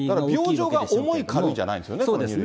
病状が重い軽いじゃないですよね。